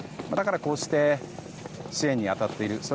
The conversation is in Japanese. だから、こうして支援に当たっている。